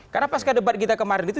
karena pas ke debat kita kemarin itu